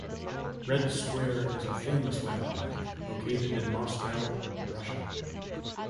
Red Square is a famous landmark located in Moscow, Russia.